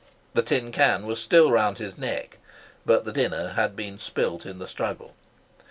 The tin can was still round his neck, but the dinner had been spilt in the struggle.